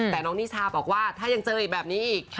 แต่น้องนิชาบอกว่าถ้ายังเจออีกแบบนี้อีก